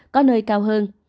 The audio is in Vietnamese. có nơi cao hơn